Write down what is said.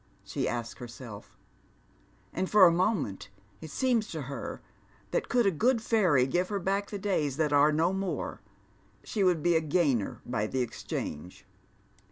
she Dsks herself ; and for a moment it seems to her that could a good fairy give her back the days that are no more, she would be a gainer by the exchange.